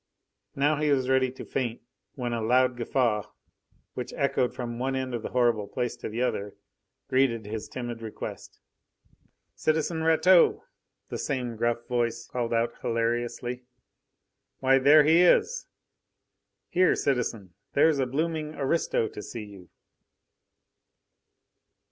Now he was ready to faint when a loud guffaw, which echoed from one end of the horrible place to the other, greeted his timid request. "Citizen Rateau!" the same gruff voice called out hilariously. "Why, there he is! Here, citizen! there's a blooming aristo to see you."